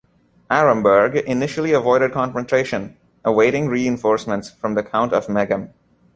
Aremberg initially avoided confrontation, awaiting reinforcements from the Count of Meghem.